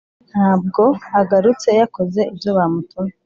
ntabwo agarutse yakoze ibyo bamutumye.